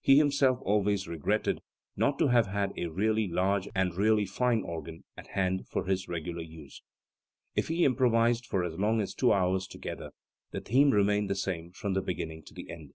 He himself always regretted "not to have had a really large and really fine organ at hand for his regular use". If he improvised for as long as two hours together, the theme remained the same from the beginning to the end.